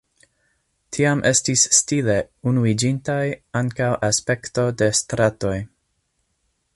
Tiam estis stile unuiĝinta ankaŭ aspekto de stratoj.